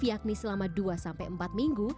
letakkan di dalam air selama dua empat minggu